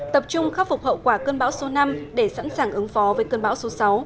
tập trung khắc phục hậu quả cơn bão số năm để sẵn sàng ứng phó với cơn bão số sáu